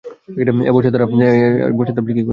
এ বর্শা দ্বারা আপনি কি করেন?